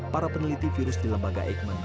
para peneliti virus di lembaga eijkman